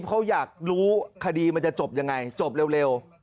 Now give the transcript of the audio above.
เขาอยากรู้คดีมันจะจบยังไงจบเร็ว